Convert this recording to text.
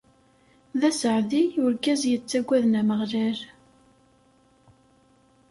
D aseɛdi urgaz yettaggaden Ameɣlal.